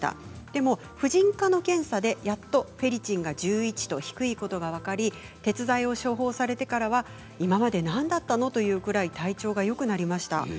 でも婦人科の検査で、やっとフェリチンが１１と低いことが分かり鉄剤を処方されてからは今まで何だったの？というくらい体調がよくなりました。